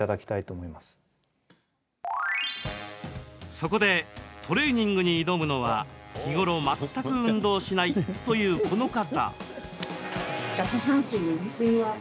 そこでトレーニングに挑むのは日頃、全く運動しないというこの方。